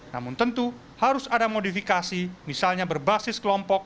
namun tentu harus ada modifikasi misalnya berbasis kelompok